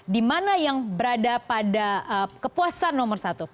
di mana yang berada pada kepuasan nomor satu